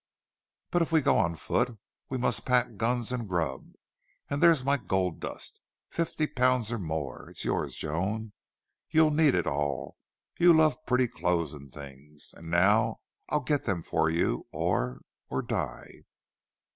"But if we go on foot we must pack guns and grub and there's my gold dust. Fifty pounds or more! It's yours, Joan.... You'll need it all. You love pretty clothes and things. And now I'll get them for you or or die."